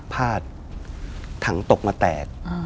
พาดถังตกมาแตก